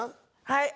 はい。